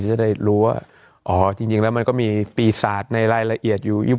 จะได้รู้ว่าอ๋อจริงแล้วมันก็มีปีศาจในรายละเอียดอยู่